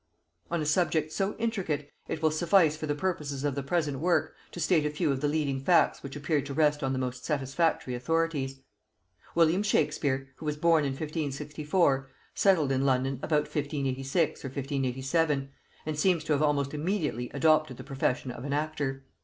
On a subject so intricate, it will suffice for the purposes of the present work to state a few of the leading facts which appear to rest on the most satisfactory authorities. William Shakespeare, who was born in 1564, settled in London about 1586 or 1587, and seems to have almost immediately adopted the profession of an actor.